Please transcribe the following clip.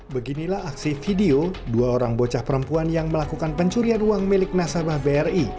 beginilah aksi video dua orang bocah perempuan yang melakukan pencurian uang milik nasabah bri